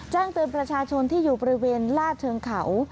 แจ้งเตือนประชาชนที่อยู่บริเวณลาดเชิงเขา